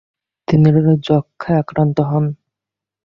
তিনি যক্ষায় আক্রান্ত হন।